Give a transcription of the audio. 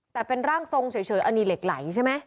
แต่เป็นร่างทรงเฉยอันนี้เหล็กไหลใช่ไหม